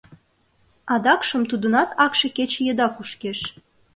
Адакшым тудынат акше кече еда кушкеш.